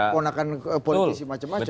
bukan dari konakan politisi macam macam